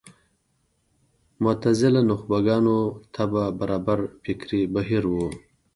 معتزله نخبه ګانو طبع برابر فکري بهیر و